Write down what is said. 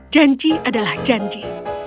janji adalah janji